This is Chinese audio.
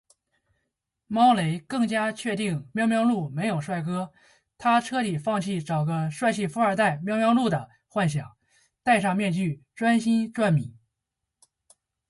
猫雷更加确定喵喵露没有帅哥，她彻底放弃找个帅气富二代喵喵露的幻想，戴上面具专心赚米